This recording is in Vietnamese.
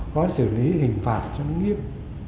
có xử lý hình phạt cho nghiệp